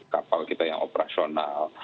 kapal kita yang operasional